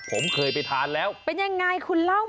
ผมเคยไปทานแล้วเป็นยังไงคุณเล่า